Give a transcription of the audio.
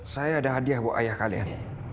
saya ada hadiah buat ayah kalian